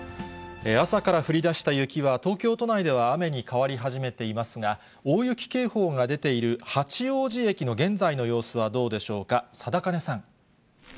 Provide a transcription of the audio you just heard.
朝から降りだした雪は東京都内では雨に変わり始めていますが、大雪警報が出ている八王子駅の現在の様子はどうでしょうか。